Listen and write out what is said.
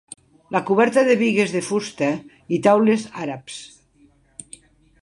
La coberta de bigues de fusta i teules àrabs.